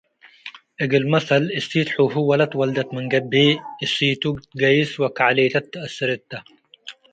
እግል መሰል እሲት ሑሁ ወለት ወልደት ምን ገብእ፡ እሲቱ ትገይስ ወከዕሌተት ተአስር እተ ።